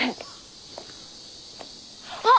あっ！